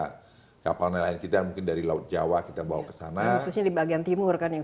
karena kapal nelayan kita mungkin dari laut jawa kita bawa ke sana di bagian timur kan yang